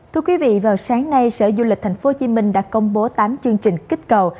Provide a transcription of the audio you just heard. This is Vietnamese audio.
thưa quý vị vào sáng nay sở du lịch tp hcm đã công bố tám chương trình kích cầu